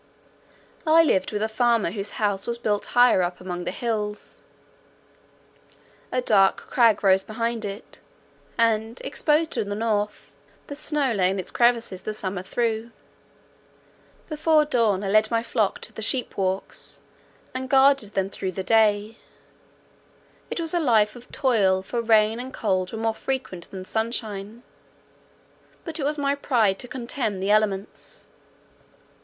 I lived with a farmer whose house was built higher up among the hills: a dark crag rose behind it, and, exposed to the north, the snow lay in its crevices the summer through. Before dawn I led my flock to the sheep walks, and guarded them through the day. It was a life of toil; for rain and cold were more frequent than sunshine; but it was my pride to contemn the elements.